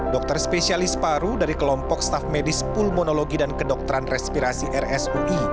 dokter spesialis paru dari kelompok staff medis pulmonologi dan kedokteran respirasi rsui